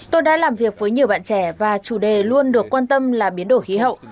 tôi đã làm việc với nhiều bạn trẻ và chủ đề luôn được quan tâm là biến đổi khí hậu